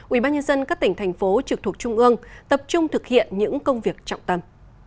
ubnd các tỉnh thành phố trực thuộc trung ương tập trung thực hiện những công việc trọng tâm